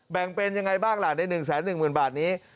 แบ่งเป็นยังไงบ้างล่ะใน๑๑๐๐๐บาทนี้